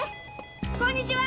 こんにちは！